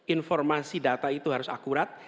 informasi data itu harus akurat